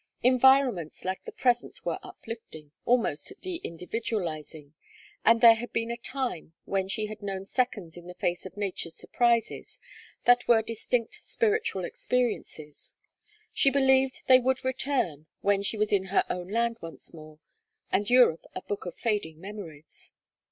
Environments like the present were uplifting, almost deindividualizing, and there had been a time when she had known seconds in the face of nature's surprises that were distinct spiritual experiences. She believed they would return when she was in her own land once more, and Europe a book of fading memories.